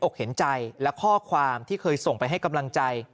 ข้อความที่เคยส่งไปให้กำลังใจ